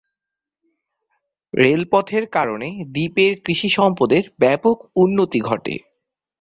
রেলপথের কারণে দ্বীপের কৃষি সম্পদের ব্যাপক উন্নতি ঘটে।